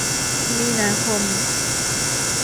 มีนาคม